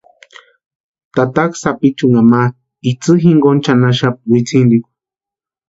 Tataka sapichunha ma itsï jinkoni chʼanaxapti witsintikwa.